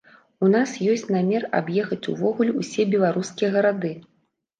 У нас ёсць намер, аб'ехаць увогуле ўсе беларускія гарады.